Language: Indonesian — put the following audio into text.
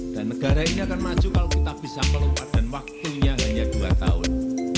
dan negara ini akan maju kalau kita bisa melupakan waktunya hanya dua tahun